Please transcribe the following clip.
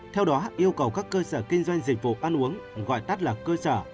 theo đó yêu cầu các cơ sở kinh doanh dịch vụ ăn uống gọi tắt là cơ sở